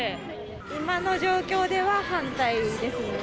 今の状況では反対ですね。